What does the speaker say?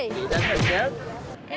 chị đó là chết